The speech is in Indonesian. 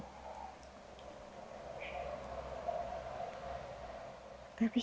tapi tidak bisa